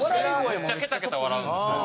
めっちゃケタケタ笑うんですよ。